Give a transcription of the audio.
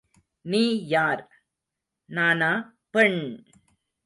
நீ யார்? நானா, பெண்!...